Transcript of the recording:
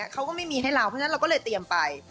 เขาก็ไม่มีให้เราเพราะฉะนั้นเราก็เลยเตรียมไป